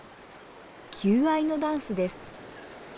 求愛のダンスです。